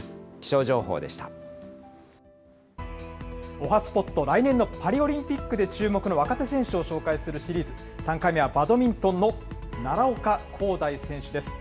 おはＳＰＯＴ、来年のパリオリンピックで注目の若手選手を紹介するシリーズ、３回目はバドミントンの奈良岡功大選手です。